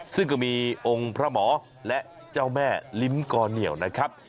ซึ่งก็มีองค์พระหมอและเจ้าแม่ลิ้มกอเหนียวนะครับ